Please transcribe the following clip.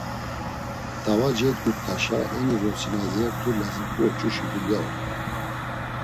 T̆ava cedgurt̆aşa eni vrosi na iyert̆uti lazut̆i oç̌uşi dulya ort̆u.